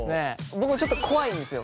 僕もちょっと怖いんですよ。